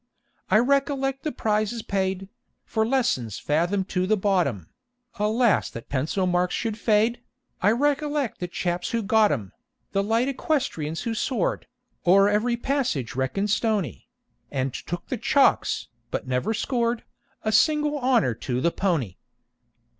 I recollect the prizes paid For lessons fathomed to the bottom; (Alas that pencil marks should fade!) I recollect the chaps who got 'em, The light equestrians who soared O'er every passage reckoned stony; And took the chalks, but never scored A single honor to the pony!